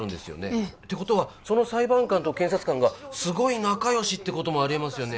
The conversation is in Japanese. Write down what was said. ええてことはその裁判官と検察官がすごい仲良しってこともありえますよね